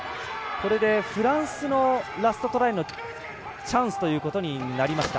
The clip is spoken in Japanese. これでフランスのラストトライのチャンスということになりました。